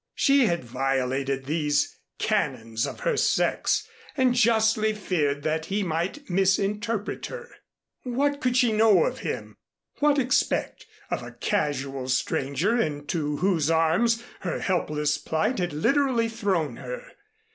She had violated these canons of her sex and justly feared that he might misinterpret her. What could she know of him, what expect of a casual stranger into whose arms her helpless plight had literally thrown her?